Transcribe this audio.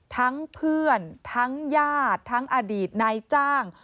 ทั้งเพื่อนทั้งญาติทั้งอดีตนายจ้าง